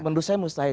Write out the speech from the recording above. menurut saya mustahil